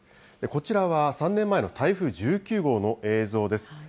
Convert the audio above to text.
こちらは３年前の台風１９号の映像です。